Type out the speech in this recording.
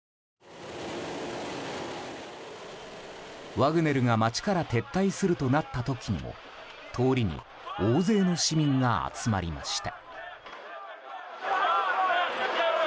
ワグネルが街から撤退するとなった時にも通りに大勢の市民が集まりました。